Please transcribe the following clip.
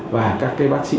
và các bác sĩ